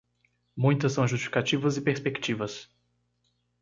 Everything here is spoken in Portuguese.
Muitas são justificativas e perspectivas.